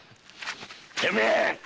てめえっ‼